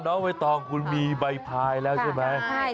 น้องเวตองคุณมีใบภายแล้วใช่มั้ย